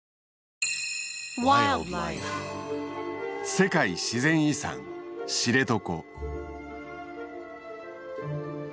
世界自然遺産知床。